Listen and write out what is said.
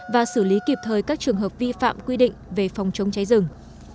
và xử lý kịp thời các trường hợp vi phạm quy định về phòng chống cháy rừng